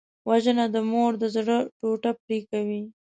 وژنه د مور د زړه ټوټه پرې کوي